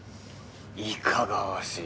いかがわしい。